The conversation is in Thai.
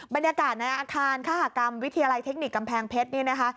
บรรยากาศในอาคารคหากรรมวิทยาลัยเทคนิคกำแพงเพชรนี่นะคะ